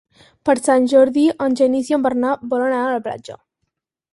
Per Sant Jordi en Genís i en Bernat volen anar a la platja.